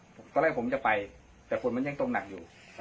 ตอนแรกผมจะไปแต่ฝนมันยังตกหนักอยู่